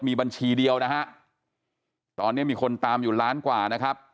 มีบัญชีเดียวนะฮะตอนนี้มีคนตามอยู่ล้านกว่านะครับ